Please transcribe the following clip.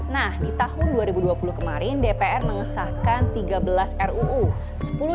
nah di tahun dua ribu dua puluh kemarin dpr mengesahkan tiga belas ruu